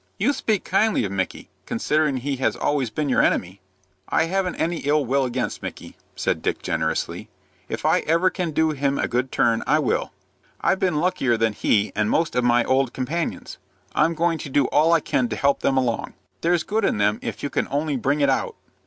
"You speak kindly of Micky, considering he has always been your enemy." "I haven't any ill will against Micky," said Dick, generously. "If I ever can do him a good turn I will. I've been luckier than he and most of my old companions, I'm going to do all I can to help them along. There's good in them if you can only bring it out."